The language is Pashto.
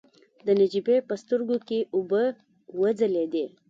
د نجيبې په سترګو کې اوبه وځلېدلې.